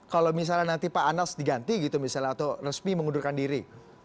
kalau misalnya nanti pak anas diganti gitu misalnya atau resmi mengundurkan diri